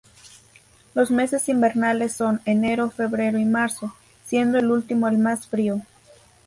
Los meses invernales son enero, febrero y marzo, siendo el último el más frío.